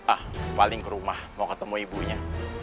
ah paling ke rumah mau ketemu ibunya